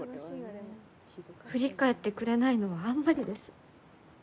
振り返ってくれないのはあんまりです。